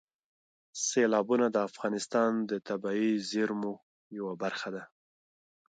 سیلابونه د افغانستان د طبیعي زیرمو یوه برخه ده.